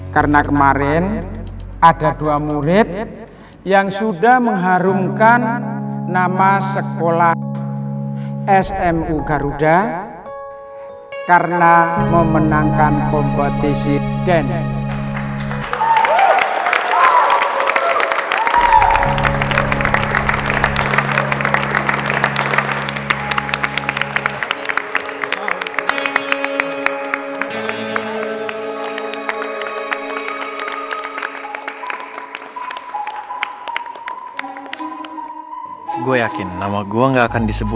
karena kemarin ada dua murid yang sudah mengharumkan nama sekolah smu garuda karena memenangkan kompetisi den